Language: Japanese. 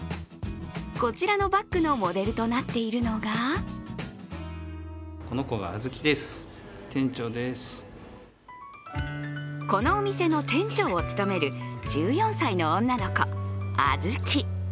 こちらのバッグのモデルとなっているのがこのお店の店長を務める１４歳の女の子、あずき。